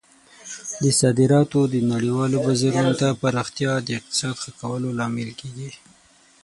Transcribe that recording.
د صادراتو د نړیوالو بازارونو ته پراختیا د اقتصاد ښه کولو لامل کیږي.